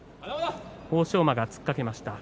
欧勝馬が突っかけました。